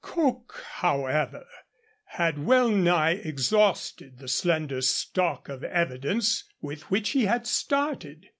Coke, however, had well nigh exhausted the slender stock of evidence with which he had started.